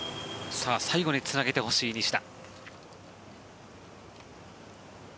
最後につなげてほしい西田。